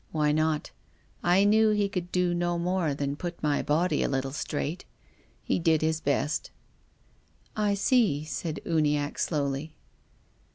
Why not ? I knew he could do no more than put my body a little straight. He did his best." " I see," said Uniacke, slowly.